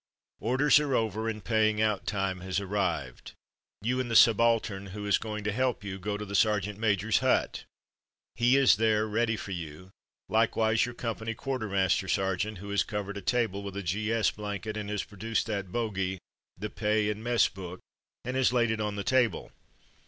Orders are over, and paying out time has arrived. You and the subaltern who is go ing to help you go to the sergeant major's hut. He is there ready for you, likewise your company quartermaster sergeant, who has covered a table with a G. S. blanket and has produced that bogey — the pay and mess book — and has laid it on the table.